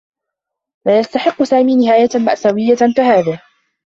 لا يستحقّ سامي نهاية مأساويّة كهذه.